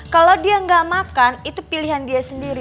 kalau dia nggak makan itu pilihan dia sendiri